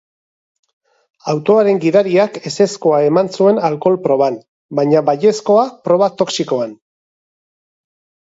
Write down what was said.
Autoaren gidariak ezezkoa eman zuen alkohol-proban, baina baiezkoa proba-toxikoan.